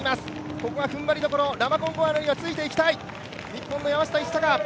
ここが踏ん張りどころラマコンゴアナにはついていきたい、日本の山下一貴。